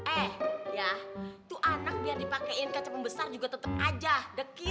eh ya itu anak biar dipakein kaca pembesar juga tetep aja dekil